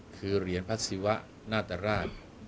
คือเหรียญภาษีวะนาฏราช